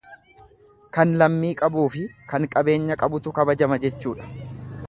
Kan lammii qabuufi kan qabeenya qabutu kabajama jechuudha.